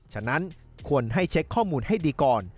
ฉะนั้นควรให้เช็คข้อมูลให้ดีก่อน